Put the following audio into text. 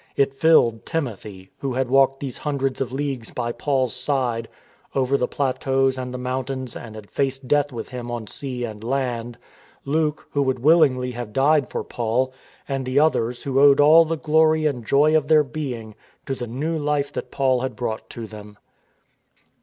It filled Timothy, who had walked those hundreds of leagues by Paul's side over the plateaux and the moun tains and had faced death with him on sea and land; Luke, who would willingly have died for Paul; and the others who owed all the glory and joy of their being to the new Life that Paul had brought to them.